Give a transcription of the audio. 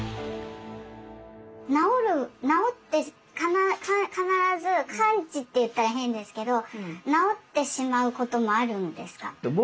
治って必ず完治といったら変ですけど治ってしまうこともあるんですか？